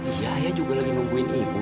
iya ayah juga lagi nungguin ibu